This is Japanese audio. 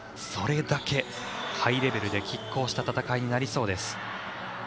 それだけハイレベルできっ抗した戦いになりそうです。